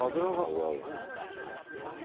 脂あるね。